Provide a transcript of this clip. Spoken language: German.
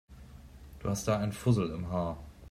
Du hast da einen Fussel im Haar.